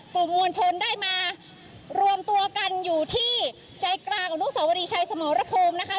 กลุ่มมวลชนได้มารวมตัวกันอยู่ที่ใจกลางอนุสวรีชัยสมรภูมินะคะ